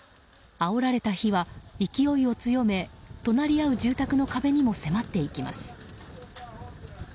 あおられた火は勢いを強め隣り合う住宅の壁にも迫っていきます。